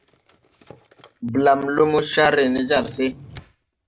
Blam lumo car re ne jar se.